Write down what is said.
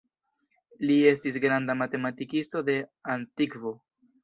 Li estis granda matematikisto de antikvo.